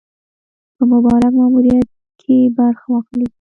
په مبارک ماموریت کې برخه واخلي.